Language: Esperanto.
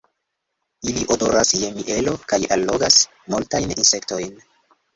Ili odoras je mielo, kaj allogas multajn insektojn.